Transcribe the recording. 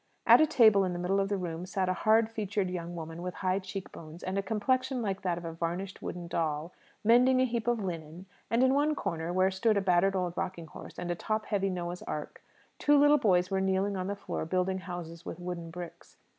At a table in the middle of the room sat a hard featured young woman, with high cheek bones, and a complexion like that of a varnished wooden doll, mending a heap of linen; and in one corner, where stood a battered old rocking horse and a top heavy Noah's Ark, two little boys were kneeling on the floor, building houses with wooden bricks.